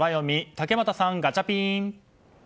竹俣さん、ガチャピン！